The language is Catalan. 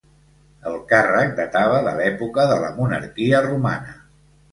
El càrrec datava de l'època de la monarquia romana.